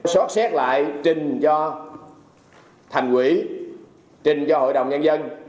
xót xét lại trình cho thành quỹ trình cho hội đồng nhân dân